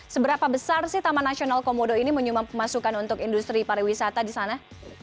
seberapa besar sih taman nasional komodo ini menyumbang pemasukan untuk industri pariwisata di sana